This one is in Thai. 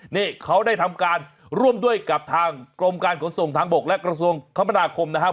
นี่เขาได้ทำการร่วมด้วยกับทางกรมการขนส่งทางบกและกระทรวงคมนาคมนะครับ